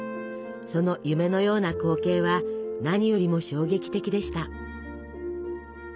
その「夢のような光景」は何よりも衝撃的でした。